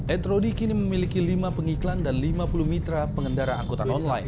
etrodi kini memiliki lima pengiklan dan lima puluh mitra pengendara angkutan online